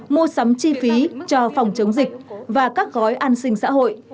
mua sắm chi phí cho phòng chống dịch và các gói an sinh xã hội